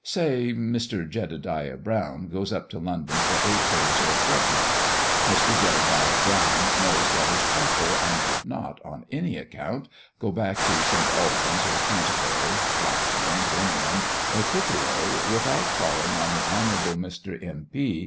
Say, Mr. Jedediah Brown goes up to London for eight days or a fortnight; Mr. Jedediah Brown knows what is proper, and would not, on any account go back to St. Alban's, or Canterbury, Blackburn, Birmingham, or Clitheroe, without calling on the honorable Mr. M. P.